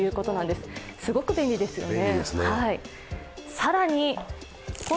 すごく便利ですよね。